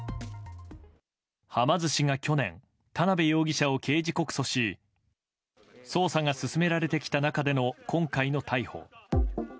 はま寿司が去年田辺容疑者を刑事告訴し捜査が進められてきた中での今回の逮捕。